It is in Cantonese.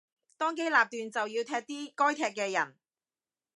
當機立斷就要踢啲該踢嘅人